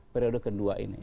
periode kedua ini